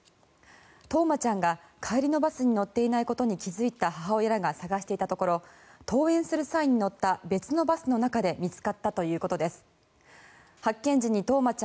冬生ちゃんが帰りのバスに乗っていないことに気付いた母親らが探していたところ登園する際に乗った別のバスの中でオリンピック